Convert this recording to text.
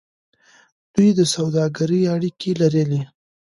دوی د سوداګرۍ اړیکې لرلې.